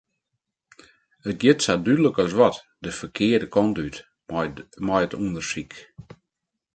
It giet sa dúdlik as wat de ferkearde kant út mei it ûndersyk.